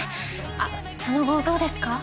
あっその後どうですか？